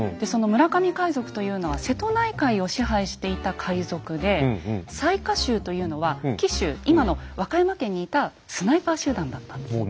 その村上海賊というのは瀬戸内海を支配していた海賊で雑賀衆というのは紀州今の和歌山県にいたスナイパー集団だったんです。